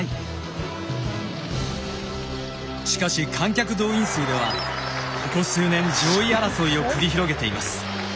しかし観客動員数ではここ数年上位争いを繰り広げています。